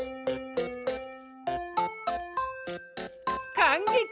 かんげき！